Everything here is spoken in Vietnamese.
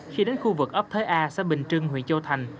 khi đến khu vực ấp thới a xã bình trưng huyện châu thành